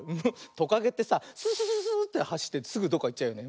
トカゲってさススススーッてはしってすぐどっかいっちゃうよね。